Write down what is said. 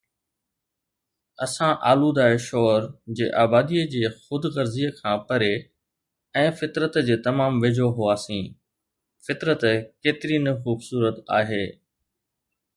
اسان آلوده شور جي آباديءَ جي خود غرضيءَ کان پري ۽ فطرت جي تمام ويجهو هئاسين، فطرت ڪيتري نه خوبصورت آهي.